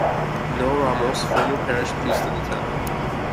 Noe Ramos, former Parish Priest of the Town.